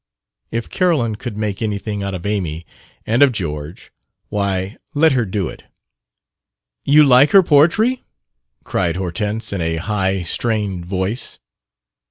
If Carolyn could make anything out of Amy and of George why, let her do it. "You like her poetry!" cried Hortense in a high, strained voice.